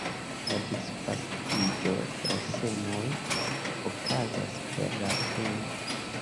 La disvastiĝo de la semoj okazas per la vento.